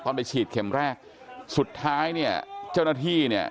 ไปฉีดเข็มแรกสุดท้ายเนี่ยเจ้าหน้าที่เนี่ย